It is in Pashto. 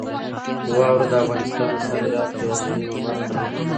واوره د افغانستان د صادراتو یوه مهمه برخه ده.